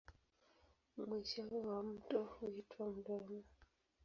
Mwisho wa mto huitwa mdomo.